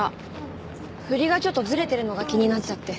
振りがちょっとずれてるのが気になっちゃって。